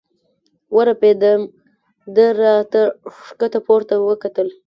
ورپېدم، ده را ته ښکته پورته وکتل.